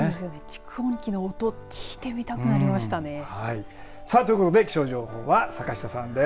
蓄音機の音聞いてみたくなりましたね。ということで気象情報は坂下さんです。